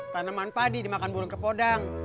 tanaman padi dimakan burung kepodang